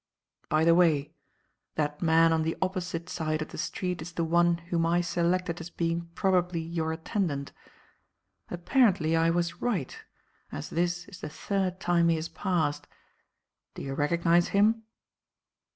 By the way, that man on the opposite side of the street is the one whom I selected as being probably your attendant. Apparently I was right, as this is the third time he has passed. Do you recognize him?"